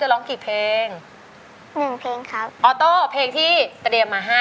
เพลงต้องมีสักวันครับ